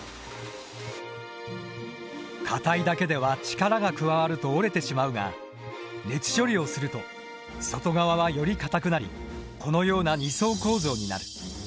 硬いだけでは力が加わると折れてしまうが熱処理をすると外側はより硬くなりこのような二層構造になる。